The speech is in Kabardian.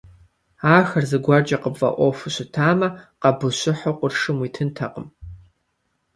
Ахэр зыгуэркӀэ къыпфӀэӀуэхуу щытамэ, къэбущыхьу къуршым уитынтэкъым.